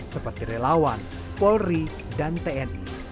seperti relawan polri dan tni